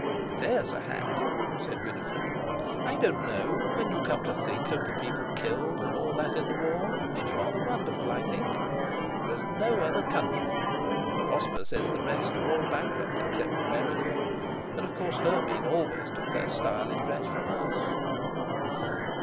"There's a hat!" said Winifred. "I don't know—when you come to think of the people killed and all that in the War, it's rather wonderful, I think. There's no other country—Prosper says the rest are all bankrupt, except America; and of course her men always took their style in dress from us."